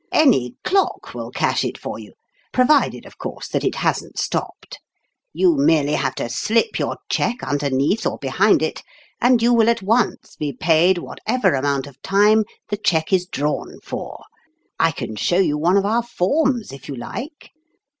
Any clock will cash it for you provided, of course, that it hasn't stopped. You merely have to slip your cheque underneath or behind it, and you will at once be paid whatever amount of time the cheque is drawn for. I can show you one of our forms if you like